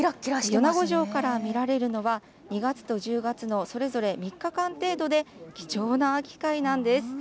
米子城から見られるのは、２月と１０月のそれぞれ３日間程度で、貴重な機会なんです。